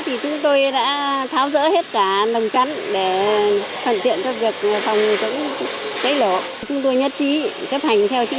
chúng tôi nhất trí chấp hành theo chính sách nhà nước không có vấn đề gì cả